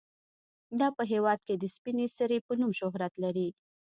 دا په هیواد کې د سپینې سرې په نوم شهرت لري.